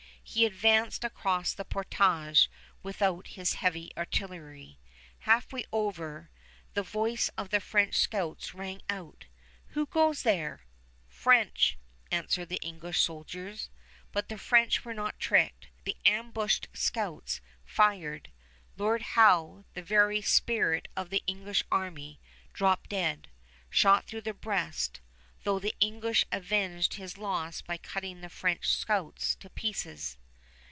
He advanced across the portage without his heavy artillery. Halfway over, the voice of the French scouts rang out, "Who goes there?" "French," answer the English soldiers; but the French were not tricked. The ambushed scouts fired. Lord Howe, the very spirit of the English army, dropped dead, shot through the breast, though the English avenged his loss by cutting the French scouts to pieces.